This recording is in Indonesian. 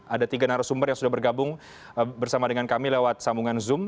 ada tiga narasumber yang sudah bergabung bersama dengan kami lewat sambungan zoom